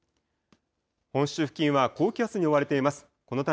本州付近は高気圧に覆われています。